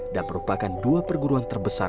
dan merupakan dua perguruan terbesar di madiun